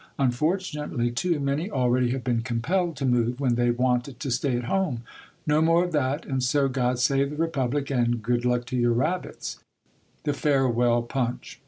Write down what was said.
Unfortunately, too many already have been compelled to move, when they wanted to stay at home. No more of that ! And so, God save the Republic ! and — good luck to your rabbits !" THE FAREWELL PUNCH.